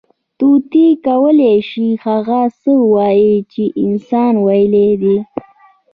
طوطي کولی شي، هغه څه ووایي، چې انسان ویلي دي.